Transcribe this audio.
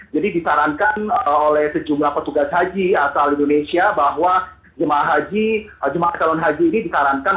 jadi disarankan oleh sejumlah petugas haji asal indonesia bahwa jemaah calon haji ini disarankan